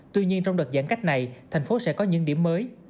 tuy nhiên trong đợt giãn cách này thành phố sẽ có những điểm mới